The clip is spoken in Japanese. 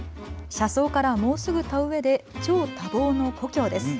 車窓からもうすぐ田植えで超多忙の故郷です。